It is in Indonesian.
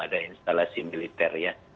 ada instalasi militer ya